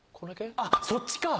あっそっちか。